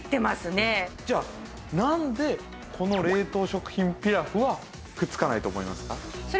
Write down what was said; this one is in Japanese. じゃあなんでこの冷凍食品ピラフはくっつかないと思いますか？